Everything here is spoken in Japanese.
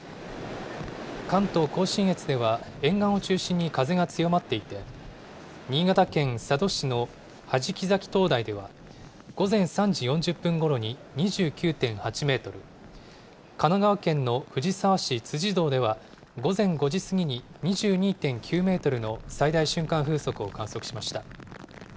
関東甲信越では沿岸を中心に風が強まっていて、新潟県佐渡市の弾崎灯台では、午前３時４０分ごろに２９．８メートル、神奈川県の藤沢市辻堂では午前５時過ぎに２２．９メートルの最大瞬間風速を観測しました。